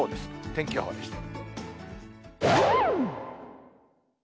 天気予報でした。